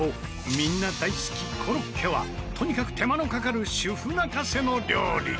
みんな大好きコロッケはとにかく手間のかかる主婦泣かせの料理。